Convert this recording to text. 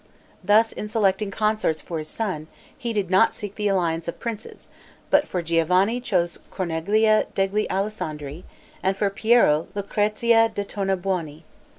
Thus in selecting consorts for his sons, he did not seek the alliance of princes, but for Giovanni chose Corneglia degli Allesandri, and for Piero, Lucrezia de' Tornabuoni.